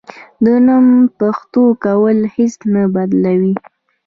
د نوم پښتو کول هیڅ نه بدلوي.